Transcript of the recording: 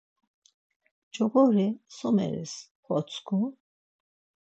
Coğori someris xotsku?